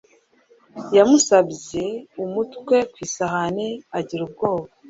Yamusabye umutwe ku isahani agira ubwoba